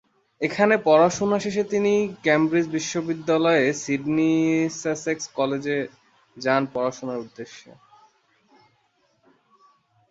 এখানে পড়াশোনা শেষে তিনি কেমব্রিজ বিশ্ববিদ্যালয়ের সিডনি সাসেক্স কলেজে যান পড়াশোনার উদ্দেশ্যে।